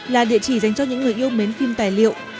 là địa chỉ dành cho những người yêu mến phim tài liệu